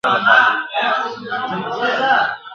ښکاري هم کرار کرار ورغی پلی !.